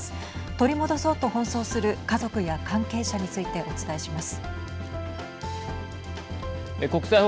取り戻そうと奔走する家族や関係者についてお伝えします。